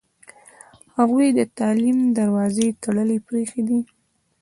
هغوی د تعلیم دروازې تړلې پرېښودې.